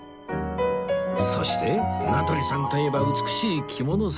そして名取さんといえば美しい着物姿